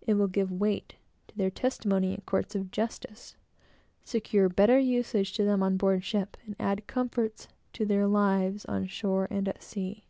It will give weight to their testimony in courts of justice, secure better usage to them on board ship, and add comforts to their lives on shore and at sea.